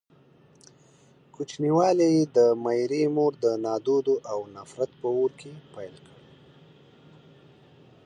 کوچنيوالی يې د ميرې مور د نادودو او نفرت په اور کې پيل کړ.